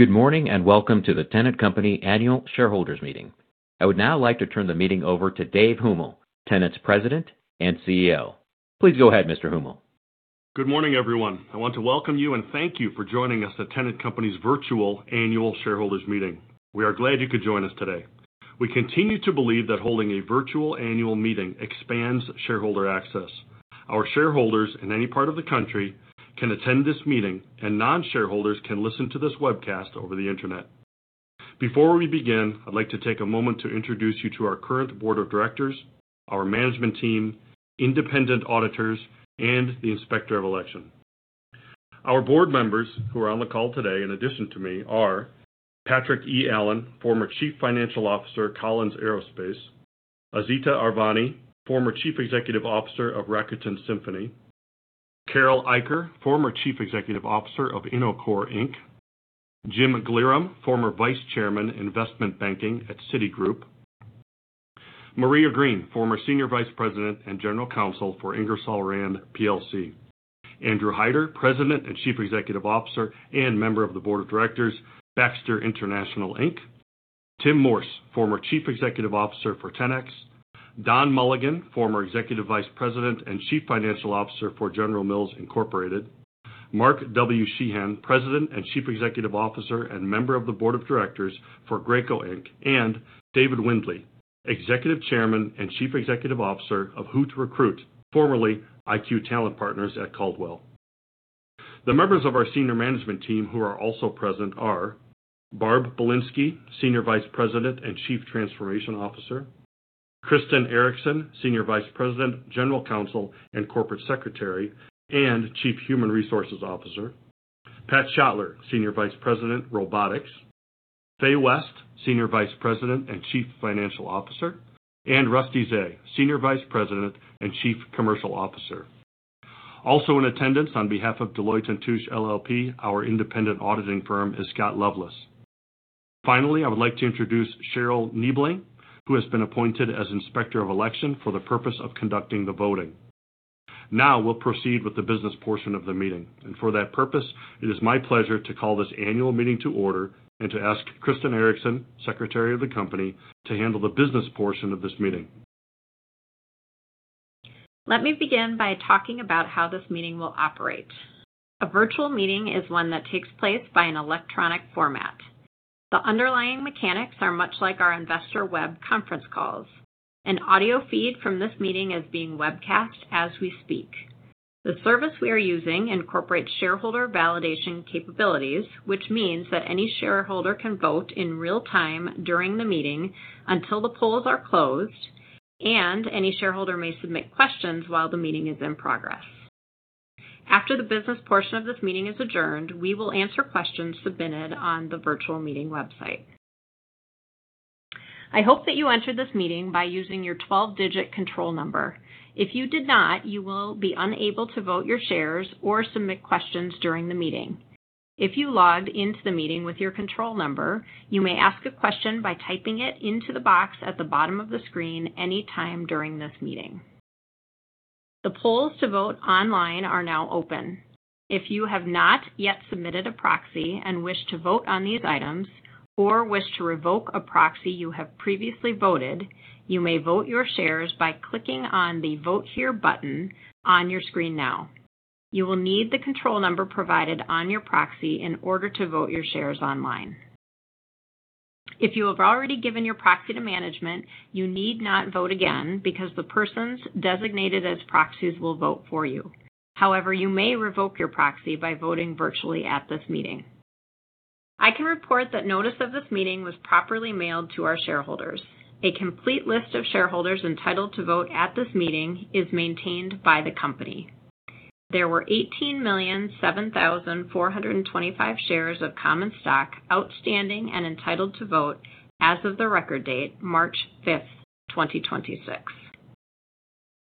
Good morning, welcome to the Tennant Company Annual Shareholders Meeting. I would now like to turn the meeting over to David Huml, Tennant's President and CEO. Please go ahead, Mr. Huml. Good morning, everyone. I want to welcome you and thank you for joining us at Tennant Company's virtual annual shareholders meeting. We are glad you could join us today. We continue to believe that holding a virtual annual meeting expands shareholder access. Our shareholders in any part of the country can attend this meeting. Non-shareholders can listen to this webcast over the Internet. Before we begin, I'd like to take a moment to introduce you to our current board of directors, our management team, independent auditors, and the inspector of election. Our board members who are on the call today in addition to me are Patrick E. Allen, former Chief Financial Officer, Collins Aerospace. Azita Arvani, former Chief Executive Officer of Rakuten Symphony. Carol Eicher, former Chief Executive Officer of Innocor, Inc. Jim Glerum, former Vice Chairman, Investment Banking at Citigroup. Maria Green, former Senior Vice President and General Counsel for Ingersoll Rand plc. Andrew Hider, President and Chief Executive Officer and member of the Board of Directors, Baxter International Inc. Tim Morse, former Chief Executive Officer for Ten-X. Don Mulligan, former Executive Vice President and Chief Financial Officer for General Mills, Inc. Mark W. Sheahan, President and Chief Executive Officer and member of the Board of Directors for Graco Inc., and David Windley, Executive Chairman and Chief Executive Officer of HootRecruit, formerly IQTalent Partners at Caldwell. The members of our senior management team who are also present are Barb Balinski, Senior Vice President and Chief Transformation Officer. Kristin Erickson, Senior Vice President, General Counsel, and Corporate Secretary and Chief Human Resources Officer, Pat Schottler, Senior Vice President, Robotics. Fay West, Senior Vice President and Chief Financial Officer, and Rusty Zay, Senior Vice President and Chief Commercial Officer. Also in attendance on behalf of Deloitte & Touche LLP, our independent auditing firm, is Scott Loveless. Finally, I would like to introduce Cheryl Niebling, who has been appointed as Inspector of Election for the purpose of conducting the voting. Now we'll proceed with the business portion of the meeting. For that purpose, it is my pleasure to call this annual meeting to order and to ask Kristin Erickson, Secretary of the company, to handle the business portion of this meeting. Let me begin by talking about how this meeting will operate. A virtual meeting is one that takes place by an electronic format. The underlying mechanics are much like our investor web conference calls. An audio feed from this meeting is being webcast as we speak. The service we are using incorporates shareholder validation capabilities, which means that any shareholder can vote in real time during the meeting until the polls are closed, and any shareholder may submit questions while the meeting is in progress. After the business portion of this meeting is adjourned, we will answer questions submitted on the virtual meeting website. I hope that you entered this meeting by using your 12-digit control number. If you did not, you will be unable to vote your shares or submit questions during the meeting. If you logged into the meeting with your control number, you may ask a question by typing it into the box at the bottom of the screen any time during this meeting. The polls to vote online are now open. If you have not yet submitted a proxy and wish to vote on these items or wish to revoke a proxy you have previously voted, you may vote your shares by clicking on the Vote Here button on your screen now. You will need the control number provided on your proxy in order to vote your shares online. If you have already given your proxy to management, you need not vote again because the persons designated as proxies will vote for you. However, you may revoke your proxy by voting virtually at this meeting. I can report that notice of this meeting was properly mailed to our shareholders. A complete list of shareholders entitled to vote at this meeting is maintained by the company. There were 18,007,425 shares of common stock outstanding and entitled to vote as of the record date, March 5, 2026.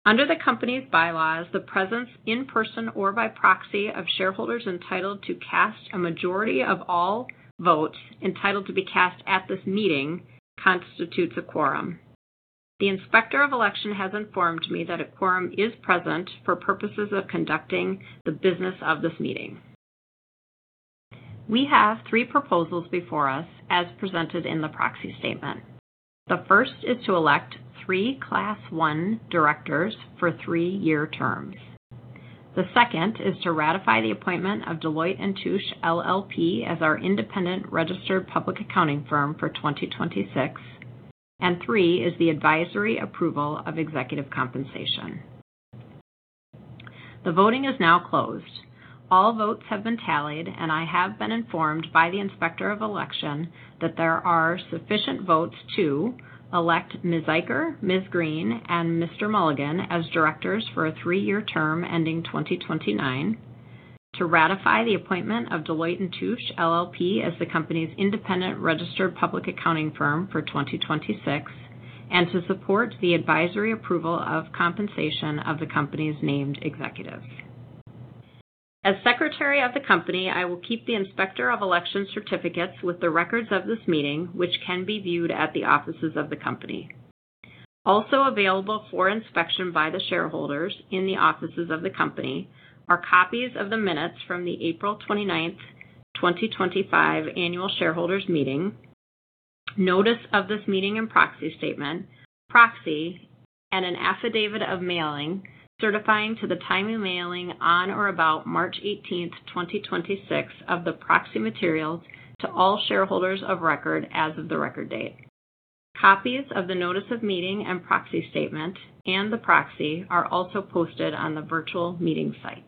Under the company's bylaws, the presence in person or by proxy of shareholders entitled to cast a majority of all votes entitled to be cast at this meeting constitutes a quorum. The Inspector of Election has informed me that a quorum is present for purposes of conducting the business of this meeting. We have three proposals before us as presented in the proxy statement. The first is to elect three Class One directors for 3-year terms. The second is to ratify the appointment of Deloitte & Touche LLP as our independent registered public accounting firm for 2026. Three is the advisory approval of executive compensation. The voting is now closed. All votes have been tallied, and I have been informed by the Inspector of Election that there are sufficient votes to elect Ms. Eicher, Ms. Green, and Mr. Mulligan as directors for a 3-year term ending 2029, to ratify the appointment of Deloitte & Touche LLP as the company's independent registered public accounting firm for 2026, and to support the advisory approval of compensation of the company's named executives. As Secretary of the company, I will keep the Inspector of Election certificates with the records of this meeting, which can be viewed at the offices of the company. Also available for inspection by the shareholders in the offices of the company are copies of the minutes from the April 29th, 2025 annual shareholders meeting, notice of this meeting and proxy statement, proxy, and an affidavit of mailing certifying to the timely mailing on or about March 18th, 2026 of the proxy materials to all shareholders of record as of the record date. Copies of the notice of meeting and proxy statement and the proxy are also posted on the virtual meeting site.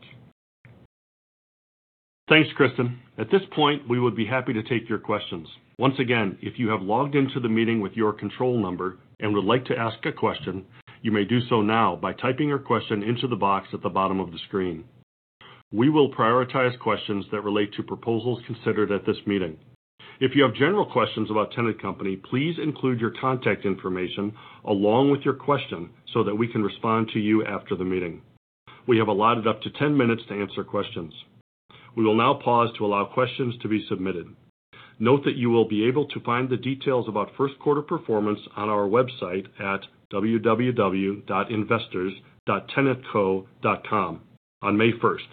Thanks, Kristin. At this point, we would be happy to take your questions. If you have logged into the meeting with your control number and would like to ask a question, you may do so now by typing your question into the box at the bottom of the screen. We will prioritize questions that relate to proposals considered at this meeting. If you have general questions about Tennant Company, please include your contact information along with your question so that we can respond to you after the meeting. We have allotted up to 10 minutes to answer questions. We will now pause to allow questions to be submitted. Note that you will be able to find the details about first quarter performance on our website at www.investors.tennantco.com on May first,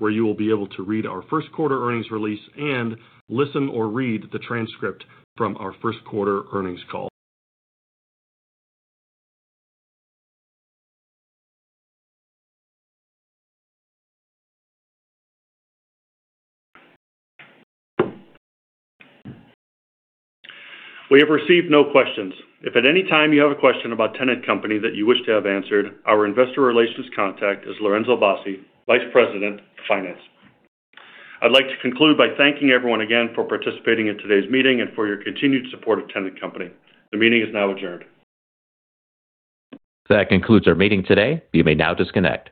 where you will be able to read our first quarter earnings release and listen or read the transcript from our first quarter earnings call. We have received no questions. If at any time you have a question about Tennant Company that you wish to have answered, our investor relations contact is Lorenzo Bassi, Vice President of Finance. I'd like to conclude by thanking everyone again for participating in today's meeting and for your continued support of Tennant Company. The meeting is now adjourned. That concludes our meeting today. You may now disconnect.